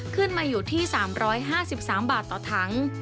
ขึ้นมาอยู่ที่๓๕๓บาทต่อถัง